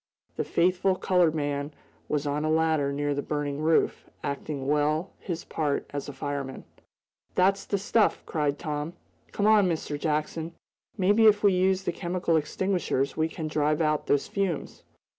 The faithful colored man was on a ladder near the burning roof, acting well his part as a fireman. "That's the stuff!" cried Tom. "Come on, Mr. Jackson. Maybe if we use the chemical extinguishers we can drive out those fumes!"